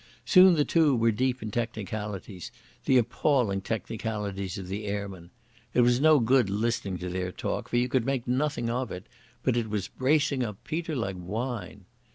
Soon the two were deep in technicalities, the appalling technicalities of the airman. It was no good listening to their talk, for you could make nothing of it, but it was bracing up Peter like wine.